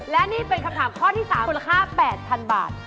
และนี่เป็นคำถามข้อที่๓มูลค่า๘๐๐๐บาท